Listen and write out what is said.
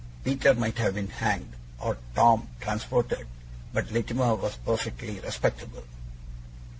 Peter might have been hanged, or Tom transported; but Littimer was perfectly respectable.